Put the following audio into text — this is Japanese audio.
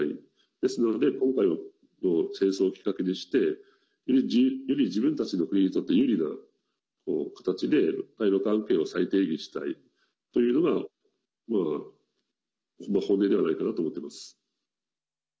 ですので今回の戦争をきっかけにしてより自分たちの国にとって有利な形で、対ロ関係を再定義したいというのが本音ではないかなと思っています。